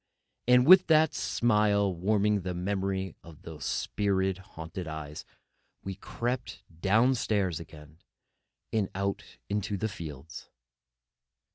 And with that smile warming the memory of those spirit haunted eyes, we crept down stairs again, and out into the fields.